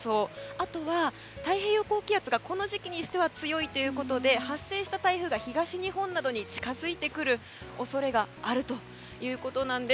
あとは、太平洋高気圧がこの時期では強いということで発生した台風が東日本などに近づいてくる恐れがあるということなんです。